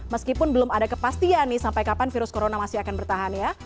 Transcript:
meskipun belum ada kepastian nih sampai kapan virus corona masih akan bertahan ya